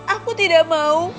aku tidak mau